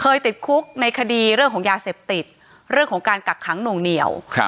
ติดคุกในคดีเรื่องของยาเสพติดเรื่องของการกักขังหน่วงเหนียว